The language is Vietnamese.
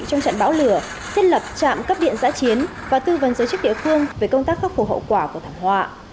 trong trận bão lửa thiết lập trạm cấp điện giã chiến và tư vấn giới chức địa phương về công tác khắc phục hậu quả của thảm họa